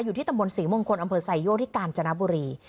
อยู่ที่ตำบลศรีมงคลอำเภอไซโยกที่กาญจนบุรี